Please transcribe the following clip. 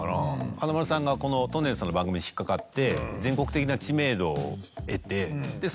華丸さんがとんねるずさんの番組に引っかかって全国的な知名度を得て。